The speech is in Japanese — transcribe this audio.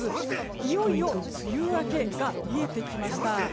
いよいよ梅雨明けが見えてきました。